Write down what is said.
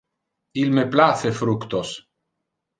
Il me place fructos.